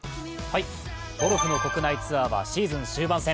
ゴルフの国内ツアーはシーズン終盤戦。